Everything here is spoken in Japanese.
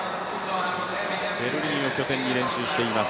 ベルリンを拠点に練習をしています。